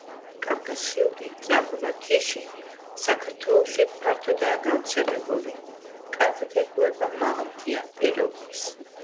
კავკასიური წაბლა ჯიში საქართველოში ფართოდაა გავრცელებული, კარგად ეგუება მაღალმთიან პირობებს.